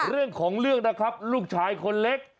เรื่องของเรื่องนะครับลูกชายคนเล็ก